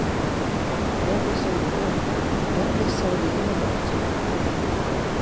Wêr bist oan begûn, wêrom litst sa oer dy hinne wâdzje?